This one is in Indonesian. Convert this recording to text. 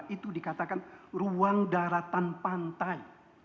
itu dikatakan ruang daratan pantai